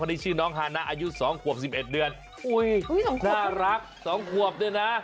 คนนี้ชื่อน้องฮานะอายุสองควบสิบเอ็ดเดือนอุ้ยสองควบน่ารักสองควบเนี่ยนะ